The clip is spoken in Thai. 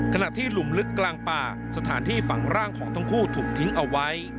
ขณะที่หลุมลึกกลางป่าสถานที่ฝังร่างของทั้งคู่ถูกทิ้งเอาไว้